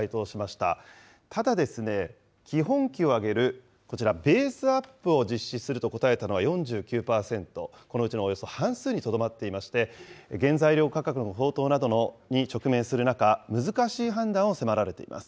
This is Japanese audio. ただですね、基本給を上げる、こちらベースアップを実施すると答えたのは４９％、このうちのおよそ半数にとどまっていまして、原材料価格の高騰などに直面する中、難しい判断を迫られています。